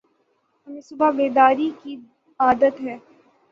ہمیں صبح بیداری کی عادت ہے ۔